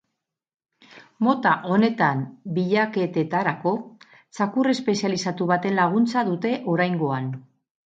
Mota honetan bilaketetarako txakur espezializatu baten laguntza dute oraingoan.